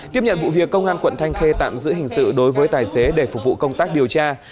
tiếp nhận vụ việc công an quận thanh khê tạm giữ hình sự đối với tài xế để phục vụ công tác điều tra